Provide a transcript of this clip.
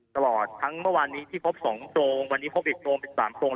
ตลอดทั้งเมื่อวานนี้ที่พบ๒โพรงวันนี้พบอีกโรงอีก๓โรง